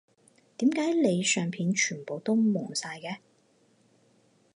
點解你相片全部都矇晒㗎